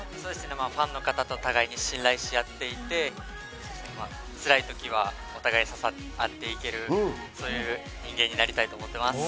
ファンの方と互いに信頼し合っていて、辛い時はお互い支え合っていける、そういう人間になりたいと思っています。